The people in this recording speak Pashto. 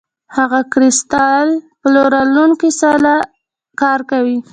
هغه د کریستال پلورونکي سره کار کوي.